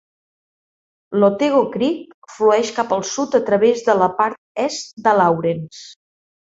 L'Otego Creek flueix cap al sud a través de la part est de Laurens.